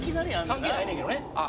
「関係ないねんけどね」